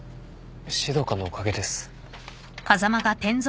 指導官のおかげです。